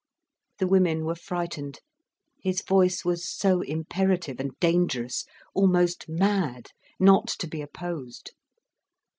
The women were frightened, his voice was so imperative and dangerous, almost mad, not to be opposed.